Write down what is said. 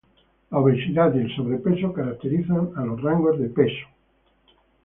La obesidad y el sobrepeso caracterizan a los rangos de peso que